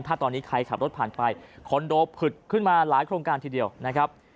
ถ้าตอนนี้ใครขับรถผ่านไปคอนโดผึดขึ้นมาหลายโครงการทีเดียวนะครับ